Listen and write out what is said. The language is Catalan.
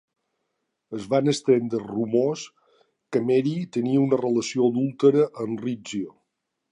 Es van estendre els rumors que Mary tenia una relació adúltera amb Rizzio.